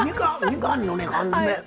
みかんの缶詰。